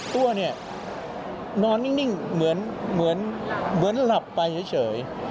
ตัวเนี่ยนอนนิ่งเหมือนหลับไปเฉย